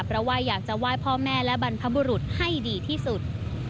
เพราะว่าอยากจะไหว้พ่อแม่และบรรพบุรุษให้ดีที่สุด